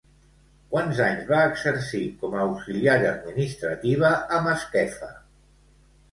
Quants anys va exercir com a auxiliar administrativa a Masquefa?